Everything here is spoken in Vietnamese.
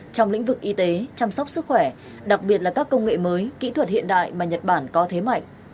trong lĩnh vực y tế chăm sóc sức khỏe đặc biệt là các công nghệ mới kỹ thuật hiện đại mà nhật bản có thế mạnh